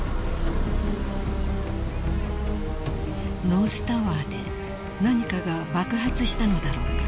［ノースタワーで何かが爆発したのだろうか］